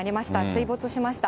水没しました。